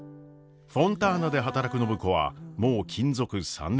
フォンターナで働く暢子はもう勤続３年目。